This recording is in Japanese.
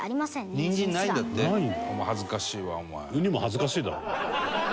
ウニも恥ずかしいだろ。